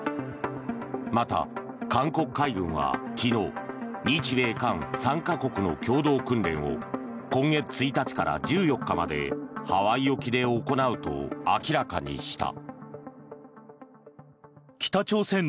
また、韓国海軍は昨日日米韓３か国の共同訓練を今月１日から１４日までハワイ沖で行うと明らかにした。